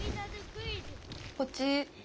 こっち。